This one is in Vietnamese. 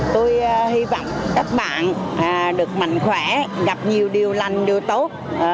tôi hy vọng các bạn được mạnh khỏe gặp nhiều điều lành điều tốt